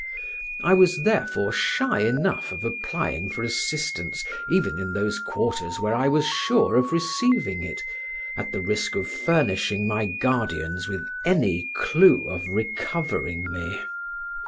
I was therefore shy enough of applying for assistance even in those quarters where I was sure of receiving it, at the risk of furnishing my guardians with any clue of recovering me.